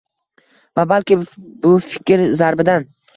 Va balki bu fikr zarbidan